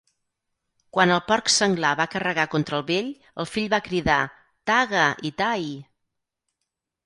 Quan el porc senglar va carregar contra el vell, el fill va cridar "taga itay!".